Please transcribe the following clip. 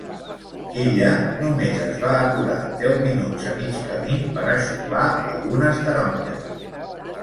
Ella només es va aturar deu minuts a mig camí per a xuclar algunes taronges.